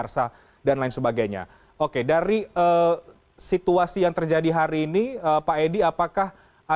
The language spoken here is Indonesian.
yang ketiga adalah